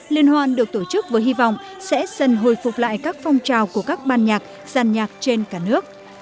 liên hoan được tổ chức với hy vọng sẽ dần hồi phục lại các phong trào của các ban nhạc dàn nhạc trên cả nước